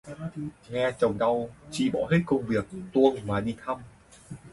Nghe chồng đau, chị bỏ hết công việc, tuông mà đi thăm